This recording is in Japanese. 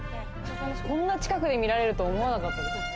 こんな近くで見られるとは思わなかった。